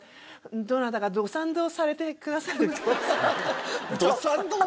「どなたかど賛同されてくださる方」。